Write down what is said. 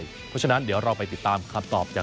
เพราะฉะนั้นเดี๋ยวเราไปติดตามคำตอบจาก